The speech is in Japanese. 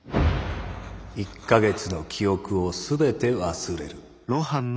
「一ヶ月の記憶を全て忘れる」。